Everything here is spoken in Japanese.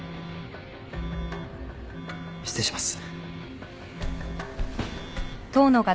失礼します。